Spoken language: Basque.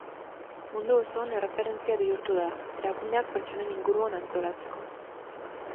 Mundu osoan erreferentzia bihurtu da, erakundeak pertsonen inguruan antolatzeko.